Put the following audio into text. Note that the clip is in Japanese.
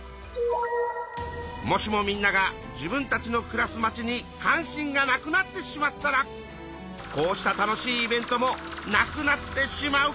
もしもみんなが自分たちのくらすまちに関心がなくなってしまったらこうした楽しいイベントもなくなってしまうかも！？